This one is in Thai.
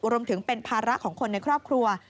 รวมถึงเป็นภาระของคนในครอบครัว